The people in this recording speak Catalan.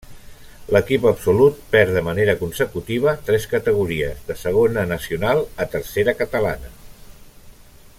L'equip absolut perd de manera consecutiva tres categories: de Segona Nacional a Tercera Catalana.